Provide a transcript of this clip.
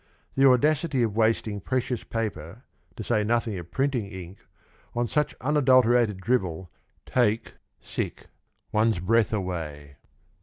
The audacity of wasting precious paper, to say nothing of printing ink, on such unadulterated drivel take one's breath away.